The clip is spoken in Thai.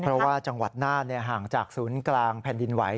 เพราะว่าจังหวัดน่านห่างจากศูนย์กลางแผ่นดินไหว